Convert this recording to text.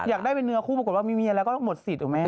อยากได้เป็นเนื้อคู่ปรากฏว่ามีเมียแล้วก็หมดสิทธิ์แม่